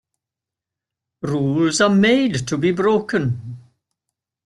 Rules are made to be broken.